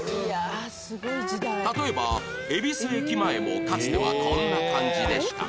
例えば恵比寿駅前もかつてはこんな感じでしたが